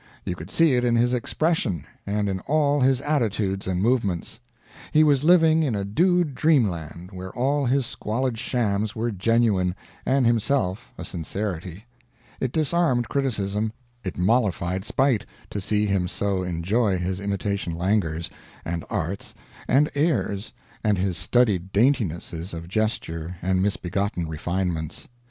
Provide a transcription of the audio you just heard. You could see it in his expression, and in all his attitudes and movements. He was living in a dude dreamland where all his squalid shams were genuine, and himself a sincerity. It disarmed criticism, it mollified spite, to see him so enjoy his imitation languors, and arts, and airs, and his studied daintinesses of gesture and misbegotten refinements.